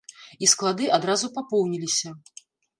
І склады адразу папоўніліся!